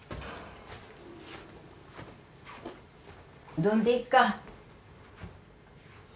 うどんでいいか。